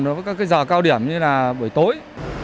đối với các giờ cao điểm như là buổi tối